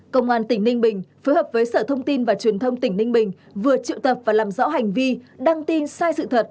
công an tỉnh ninh bình phối hợp với sở thông tin và truyền thông tỉnh ninh bình vừa triệu tập và làm rõ hành vi đăng tin sai sự thật